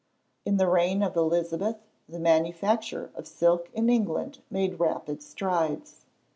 In the reign of Elizabeth, the manufacture of silk in England made rapid strides.